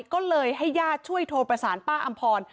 ก็เลยให้ญาติช่วยโทรประสานป้าอำพร